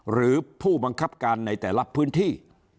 หรือผู้บังคับการในแต่ละพื้นที่